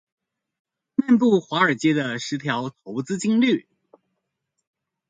漫步華爾街的十條投資金律